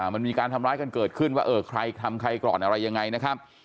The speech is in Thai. มันมีการทำร้ายกันเกิดขึ้นว่าเออใครทำใครก่อนอะไรยังไงนะครับ